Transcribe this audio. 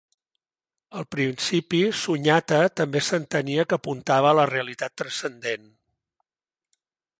Al principi, Sunyata també s'entenia que apuntava a la realitat transcendent.